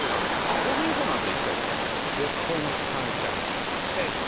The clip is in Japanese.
公民館の辺り行きたいですね。